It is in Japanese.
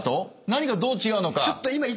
何がどう違うのか。